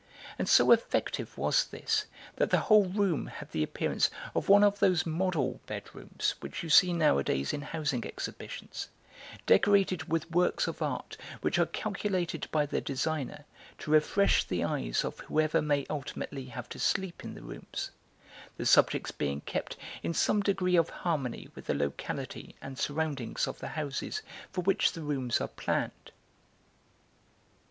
And so effective was this that the whole room had the appearance of one of those model bedrooms which you see nowadays in Housing Exhibitions, decorated with works of art which are calculated by their designer to refresh the eyes of whoever may ultimately have to sleep in the rooms, the subjects being kept in some degree of harmony with the locality and surroundings of the houses for which the rooms are planned.